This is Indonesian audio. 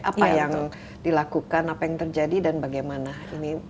apa yang dilakukan apa yang terjadi dan bagaimana ini